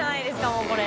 もうこれ。